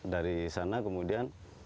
dari sana kemudian